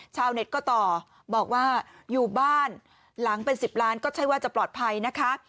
ชาวเน็ตก็ต่อบอกว่าอยู่บ้านหลังเป็น๑๐ล้านก็ใช่ว่าจะปลอดภัยนะคะ